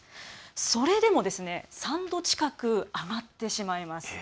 それでも３度近く上がってしまいます。